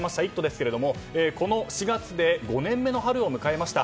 ですけどもこの４月で５年目の春を迎えました。